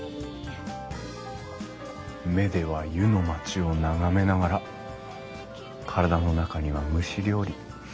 目では湯の町を眺めながら体の中には蒸し料理。